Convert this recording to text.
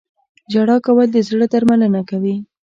• ژړا کول د زړه درملنه کوي.